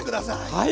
はい！